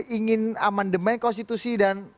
ingin amandemen konstitusi dan